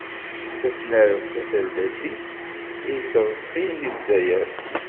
D tasnareft taserdasit i yettreṣṣin deg Lezzayer.